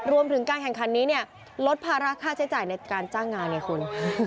รวมถึงการแข่งขันนี้เนี่ยลดภาระค่าใช้จ่ายในการจ้างงานไงคุณ